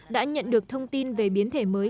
đã nhận được thông tin về biến thể mới